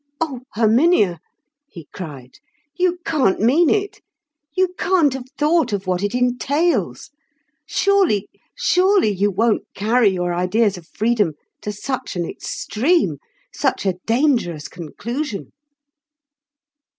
"O Herminia," he cried, "you can't mean it. You can't have thought of what it entails. Surely, surely, you won't carry your ideas of freedom to such an extreme, such a dangerous conclusion!"